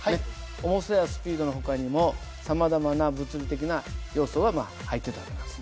重さやスピードのほかにもさまざまな物理的な要素が入ってた訳なんです。